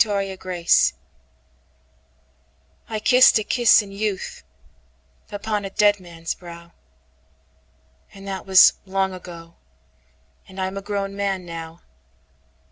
Scintilla I KISSED a kiss in youthUpon a dead man's brow; And that was long ago,—And I'm a grown man now.